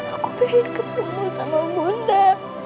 aku pengen ketemu sama bunda